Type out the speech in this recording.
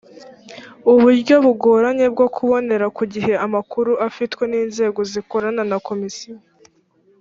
uburyo bugoranye bwo kubonera ku gihe amakuru afitwe n inzego zikorana na komisiyo